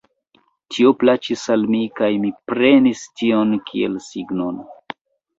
Tio plaĉis al mi kaj mi prenis tion kiel signon.